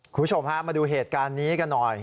คุณผู้ชมฮะมาดูเหตุการณ์นี้กันหน่อย